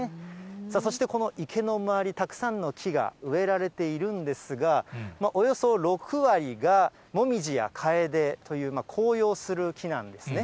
そしてこの池の周り、たくさんの木が植えられているんですが、およそ６割が紅葉やカエデという、紅葉する木なんですね。